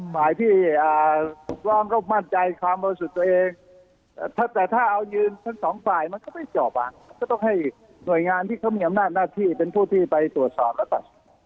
ฝ่ายที่ถูกต้องก็มั่นใจความบริสุทธิ์ตัวเองแต่ถ้าเอายืนทั้งสองฝ่ายมันก็ไม่จบอ่ะก็ต้องให้หน่วยงานที่เขามีอำนาจหน้าที่เป็นผู้ที่ไปตรวจสอบแล้วกัน